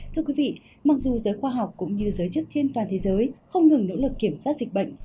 thưa quý vị mặc dù giới khoa học cũng như giới chức trên toàn thế giới không ngừng nỗ lực kiểm soát dịch bệnh